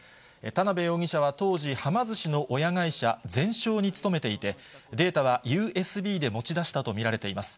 田辺容疑者は当時、はま寿司の親会社、ゼンショーに勤めていて、データはＵＳＢで持ち出したと見られています。